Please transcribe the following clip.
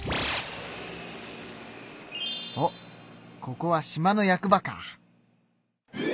おっここは島の役場か。